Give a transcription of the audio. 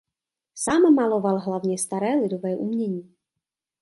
Sám maloval hlavně staré lidové umění.